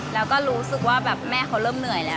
แล้วก็รู้สึกว่าแบบแม่เขาเริ่มเหนื่อยแล้ว